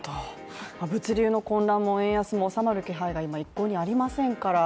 物流の混乱も円安も収まる気配が今、一向にありませんから